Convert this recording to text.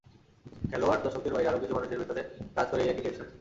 খেলোয়াড়, দর্শকদের বাইরে আরও কিছু মানুষের ভেতর কাজ করে একই টেনশন।